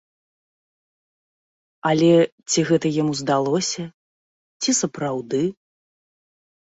Але ці гэта яму здалося, ці сапраўды?